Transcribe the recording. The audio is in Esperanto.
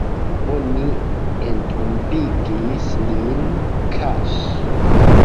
Oni entombigis lin kaŝe.